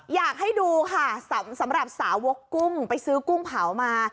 อยากให้ดูค่ะสำหรับสาวกกุ้งไปซื้อกุ้งเผามา